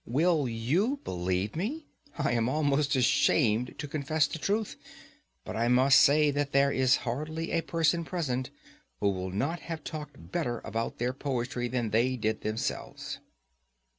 Will you believe me? I am almost ashamed to confess the truth, but I must say that there is hardly a person present who would not have talked better about their poetry than they did themselves.